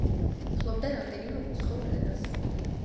ფლობდა რამდენიმე უცხოურ ენას.